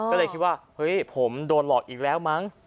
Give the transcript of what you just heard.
ก็เลยคิดว่าเฮ้ยผมโดนหลอกอีกแล้วมั้ง